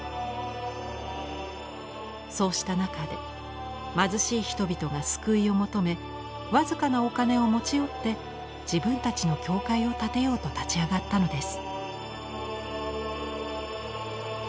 そうした中で貧しい人々が救いを求め僅かなお金を持ち寄って自分たちの教会を建てようと立ち上がったのです。